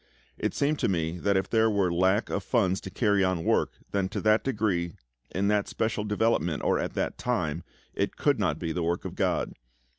It seemed to me that if there were lack of funds to carry on work, then to that degree, in that special development, or at that time, it could not be the work of GOD.